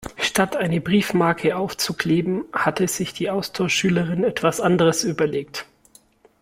Statt eine Briefmarke aufzukleben, hatte sich die Austauschschülerin etwas anderes überlegt.